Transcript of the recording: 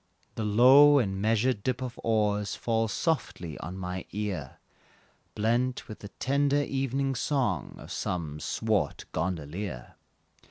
The low and measured dip of oars Falls softly on my ear Blent with the tender evening song, Of some swart gondolier.